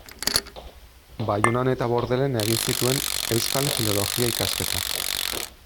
Baionan eta Bordelen egin zituen euskal filologia ikasketak.